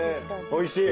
おいしい？